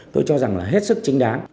tôi cho rằng là hết sức chính đáng